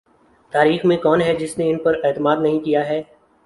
تاریخ میں کون ہے جس نے ان پر اعتماد نہیں کیا ہے۔